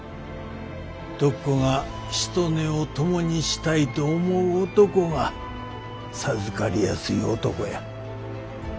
徳子がしとねを共にしたいと思う男が授かりやすい男や。